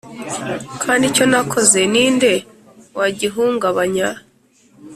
kandi icyo nakoze, ni nde wagihungabanya?